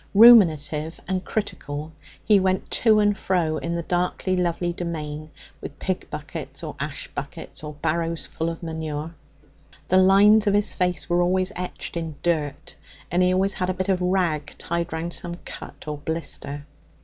Ruminative and critical, he went to and fro in the darkly lovely domain, with pig buckets or ash buckets or barrows full of manure. The lines of his face were always etched in dirt, and he always had a bit of rag tied round some cut or blister.